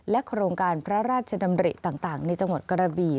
โครงการพระราชดำริต่างในจังหวัดกระบี่